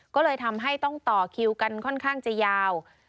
ก็เลยทำให้ต้องต่อคิวกันค่อนข้างจะยาว